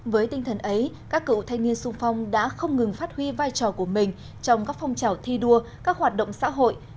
với tinh thần ấy các cựu thanh niên sung phong đã không ngừng phát huy vai trò của mình trong các phong trào thi đua các hoạt động xã hội